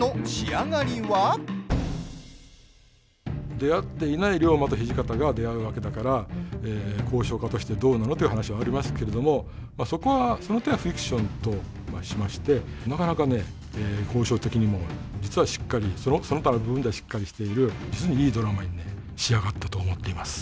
出会っていない龍馬と土方が出会うわけだから考証家としてどうなのって話はありますけれどもそこは、その点はフィクションとしましてなかなかね、考証的にも実はしっかりその他の部分ではしっかりしている実にいいドラマにね仕上がったと思っています。